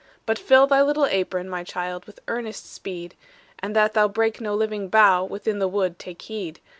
"But fill thy little apron, My child, with earnest speed; And that thou break no living bough Within the wood take heed.